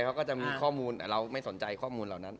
เขาก็จะมีข้อมูลแต่เราไม่สนใจข้อมูลเหล่านั้น